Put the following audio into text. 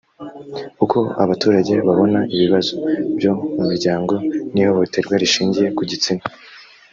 uko abaturage babona ibibazo byo mu miryango n ihohoterwa rishingiye ku gitsina